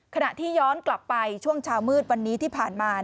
ขณะที่ย้อนกลับไปช่วงเช้ามืดวันนี้ที่ผ่านมา